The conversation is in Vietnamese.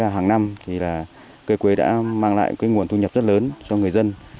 hàng năm cây quế đã mang lại nguồn thu nhập rất lớn cho người dân